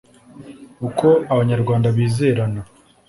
uko abanyarwanda bizerana